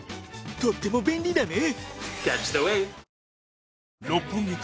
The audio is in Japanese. とっても便利だね！